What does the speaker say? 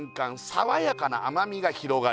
爽やかな甘みが広がり」